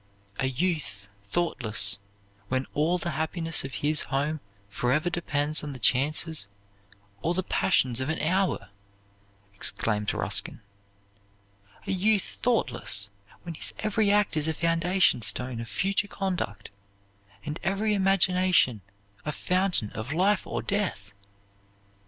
"A youth thoughtless, when all the happiness of his home forever depends on the chances or the passions of an hour!" exclaims Ruskin. "A youth thoughtless, when his every act is a foundation stone of future conduct, and every imagination a fountain of life or death!